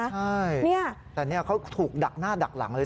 ใช่แต่นี่เขาถูกดักหน้าดักหลังเลย